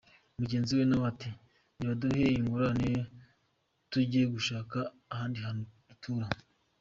Mugenzi we nawe ati ”Nibaduhe ingurane tujye gushaka ahandi hantu dutura”.